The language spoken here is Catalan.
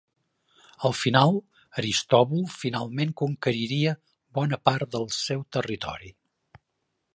Al final, Aristòbul finalment conqueriria bona part del seu territori.